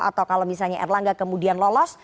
atau kalau misalnya erlangga kemudian lolos